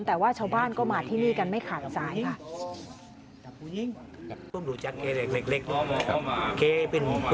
แต่ว่าชาวบ้านก็มาที่นี่กันไม่ขาดสายค่ะ